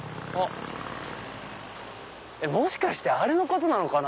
もしかしてあれのことなのかな？